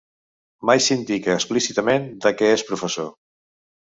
Mai s'indica explícitament de què és professor.